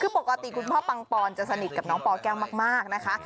คือปกติคุณพ่อปังปอนจะสนิทกับน้องปแก้วมากนะคะ